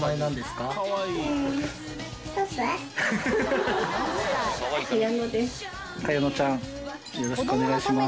かやのちゃんよろしくお願いします。